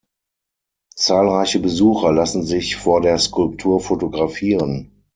Zahlreiche Besucher lassen sich vor der Skulptur fotografieren.